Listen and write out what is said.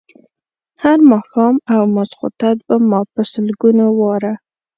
هر ماښام او ماخوستن به ما په سلګونو واره.